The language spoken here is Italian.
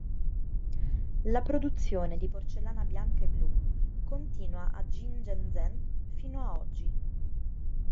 La produzione di porcellana bianca e blu continua a Jingdezhen fino a oggi.